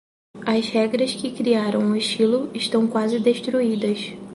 As regras que criaram o estilo estão quase destruídas.